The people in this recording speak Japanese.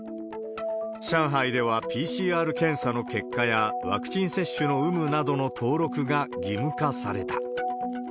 上海ではＰＣＲ検査の結果や、ワクチン接種の有無などの登録が義務化された。